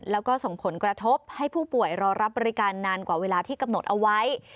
แล้วก็ส่งผลกระทบให้ผู้ป่วยรอรับบริการนานกว่าเวลาที่กำหนดเอาไว้